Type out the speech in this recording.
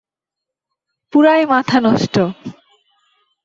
পুরাই মাথা নষ্ট।